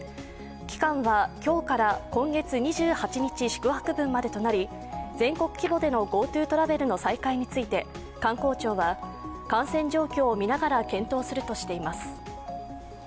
期間は今日から今月２８日宿泊分までとなり全国規模でのＧｏＴｏトラベルの再開について観光庁は、感染状況を見ながら検討するとしています。